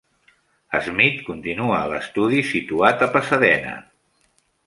Smith continua a l'estudi situat a Pasadena.